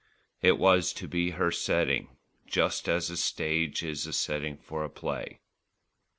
It was to be her setting, just as a stage is the setting for a play.